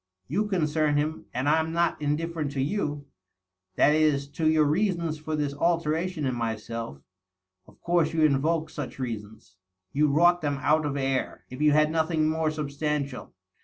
You concern him, and I'm not indifierent to you. That is, to your reasons for this alteration in myself. Of course you invoked such reasons ; you wrought them out of air, if you had nothing more substantial.